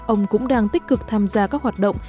ông cũng đang tích cực tham gia các hoạt động